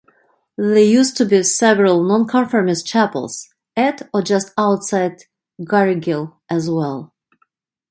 There used to be several non-conformist chapels at or just outside Garrigill as well.